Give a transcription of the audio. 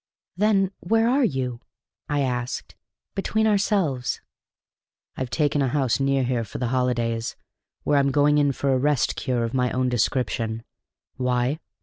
"Then where are you," I asked, "between ourselves?" "I've taken a house near here for the holidays, where I'm going in for a Rest Cure of my own description. Why?